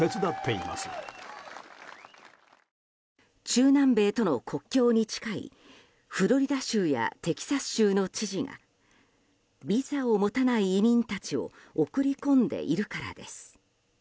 中南米との国境に近いフロリダ州やテキサス州の知事がビザを持たない移民たちを送り込んでいるからです。